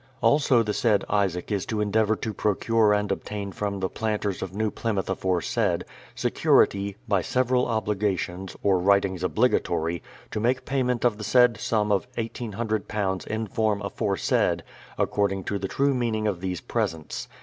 Also the said Isaac is to endeavour to procure and obtain from the planters of New Plymouth aforesaid, security, by several obligations, or writ ings obligatory, to make pa> ment of the said sum of £1800 in form aforesaid, according to the true meaning of these presents.